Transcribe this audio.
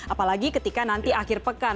apalagi ketika nanti akhir pekan